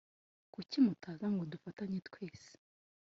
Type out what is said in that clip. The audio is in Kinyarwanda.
Kuki mutaza ngo dufatanye twese